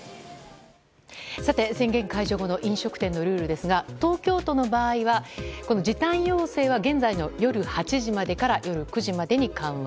宣言解除後の飲食店のルールですが東京都の場合は時短要請は現在の夜８時までから夜９時までに緩和。